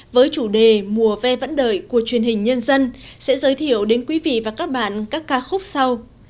với chủ đề mùa ve vẫn đời của truyền hình nhân dân sẽ giới thiệu đến quý vị và các bạn các ca khúc sau